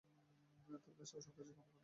তার কাজটা সন্ত্রাসী কর্মকাণ্ড ছিলো।